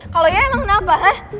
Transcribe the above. kalau iya emang kenapa hah